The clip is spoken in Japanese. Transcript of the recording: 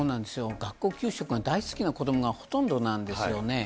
学校給食が大好きな子どもがほとんどなんですよね。